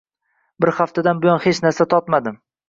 Bir haftadan buyon hech narsa totmadim